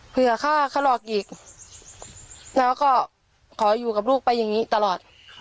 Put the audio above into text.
ฆ่าเขาหลอกอีกแล้วก็ขออยู่กับลูกไปอย่างนี้ตลอด